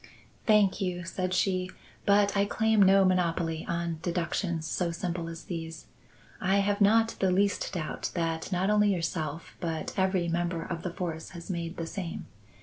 "Thank you," said she, "but I claim no monopoly on deductions so simple as these. I have not the least doubt that not only yourself but every member of the force has made the same.